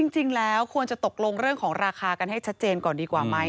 จริงแล้วควรจะตกลงเรื่องของราคากันให้ชัดเจนก่อนดีกว่าไหม